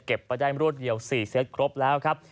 ไปได้รวดเดียว๔เซตครบแล้วครับ